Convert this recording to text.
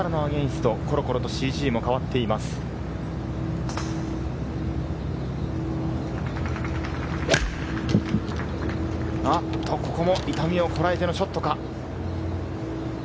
あっと、ここも痛みをこらえてのショットか？